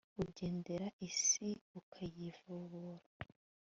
Ugenderera isi ukayivubira